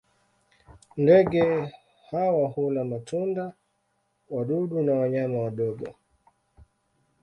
Ndege hawa hula matunda, wadudu na wanyama wadogo.